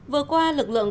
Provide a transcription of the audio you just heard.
vừa qua lực lượng